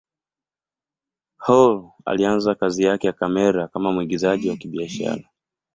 Hall alianza kazi yake ya kamera kama mwigizaji wa kibiashara.